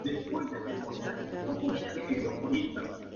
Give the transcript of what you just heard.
Joel nunca ha sido la persona más responsable de su barrio.